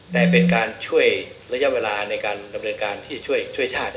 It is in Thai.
แต่เป็นการช่วยระยะเวลาในการดำเนินการที่ช่วยชาติ